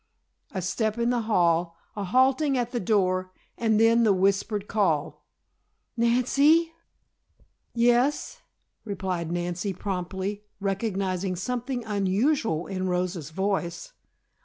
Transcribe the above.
A step in the hall, a halting at the door and then the whispered call: "Nancy!" "Yes," replied Nancy promptly, recognizing something unusual in Rosa's voice.